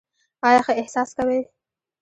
ایا ښه احساس کوئ؟